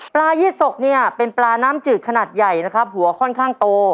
ยืดสกเนี่ยเป็นปลาน้ำจืดขนาดใหญ่นะครับหัวค่อนข้างโต